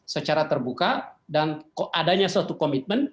secara terbuka dan kok adanya so